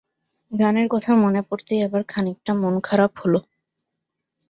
গানের কথা মনে পড়তেই আবার খানিকটা মন-খারাপ হল।